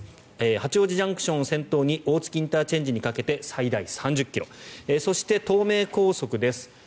八王子ＪＣＴを先頭に大月ＩＣにかけて最大３０ｋｍそして東名高速です。